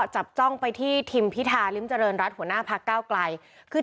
จ้องไปที่ทิมพิธาริมเจริญรัฐหัวหน้าพักเก้าไกลคือ